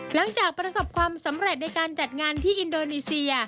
หลังจากประสบความสำเร็จในการจัดงานที่อินโดนีเซีย